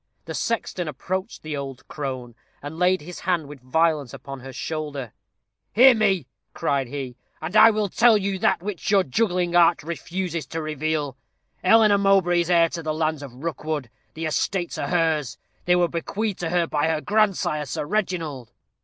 The sexton approached the old crone, and laid his hand with violence upon her shoulder. "Hear me," cried he, "and I will tell you that which your juggling art refuses to reveal. Eleanor Mowbray is heir to the lands of Rookwood! The estates are hers! They were bequeathed to her by her grandsire, Sir Reginald."